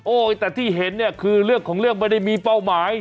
แต่ที่เห็นเนี่ยคือเรื่องของเรื่องไม่ได้มีเป้าหมาย